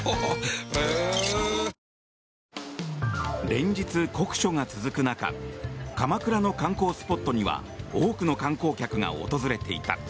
連日、酷暑が続く中鎌倉の観光スポットには多くの観光客が訪れていた。